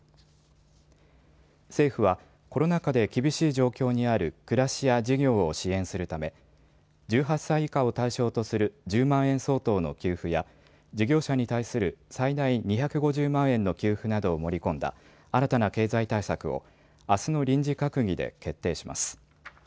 政府はコロナ禍で厳しい状況にある暮らしや事業を支援するため１８歳以下を対象とする１０万円相当の給付や事業者に対する最大２５０万円の給付などを盛り込んだ新たな経済対策をあすの臨時閣議で決定します。